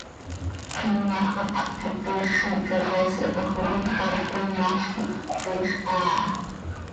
Iimox hapáh quih, tiix xiica coosyatoj coi quipac cöquinol quih, tiix haa ha.